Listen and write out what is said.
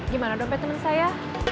gimana dompet temen saya